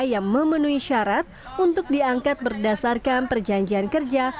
yang memenuhi syarat untuk diangkat berdasarkan perjanjian kerja